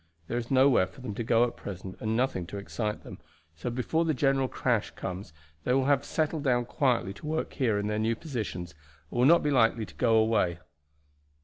There is nowhere for them to go at present and nothing to excite them, so before the general crash comes they will have settled down quietly to work here in their new positions, and will not be likely to go away."